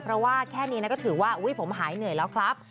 เพราะว่าแค่นี้ก็ถือว่าผมหายเหนื่อยแล้วครับ